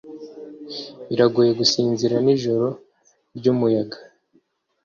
Biragoye gusinzira nijoro ryumuyaga.